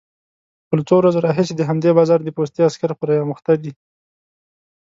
خو له څو ورځو راهيسې د همدې بازار د پوستې عسکر پرې اموخته دي،